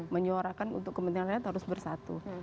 menyuarakan untuk kepentingan rakyat harus bersatu